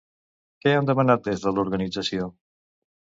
Què han demanat des de l'organització?